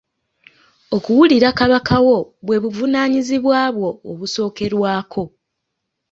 Okuwulira Kabaka wo bwe buvunaanyizibwa bwo obusookerwako.